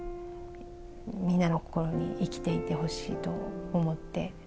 みんなの心に生きていてほしいと思って。